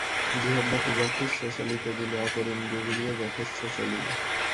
জিহ্বাকে যথেচ্ছ চলিতে দিলে অপর ইন্দ্রিয়গুলিও যথেচ্ছ চলিবে।